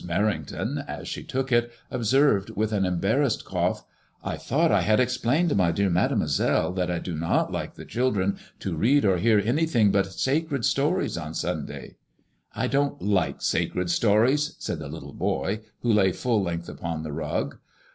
Merrington, as she took it, observed with an embarrassed cough :I thought I had explained, my dear Mademoiselle, that I do not like the children to read or to hear an}rthing but sacred stories on Sunday." I don't like sacred stories," said the little boy, who lay full length upon the rug.